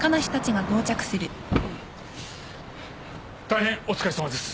大変お疲れさまです。